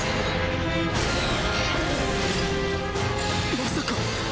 まさか。